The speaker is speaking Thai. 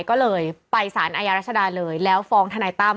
ก็เลยไปสารอาญารัชดาเลยแล้วฟ้องทนายตั้ม